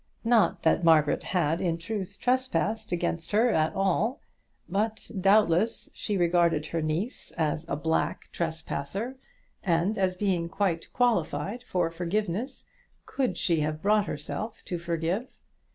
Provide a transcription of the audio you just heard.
Not that Margaret had in truth trespassed against her at all; but, doubtless, she regarded her niece as a black trespasser, and as being quite qualified for forgiveness, could she have brought herself to forgive.